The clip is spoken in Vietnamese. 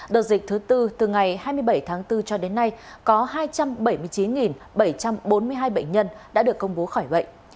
đợt dịch thứ tư từ ngày hai mươi bảy tháng bốn cho đến nay có hai trăm bảy mươi chín bảy trăm bốn mươi hai bệnh nhân đã được công bố khỏi bệnh